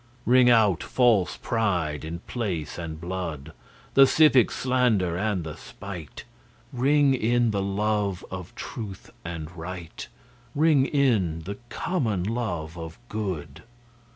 Ring out false pride in place and blood, The civic slander and the spite; Ring in the love of truth and right, Ring in the common love of good.